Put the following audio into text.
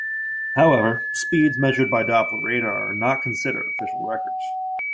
However, speeds measured by Doppler radar are not considered official records.